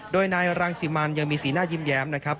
โดยนายรังสิมันยังมีสีหน้ายิ้มแย้มนะครับ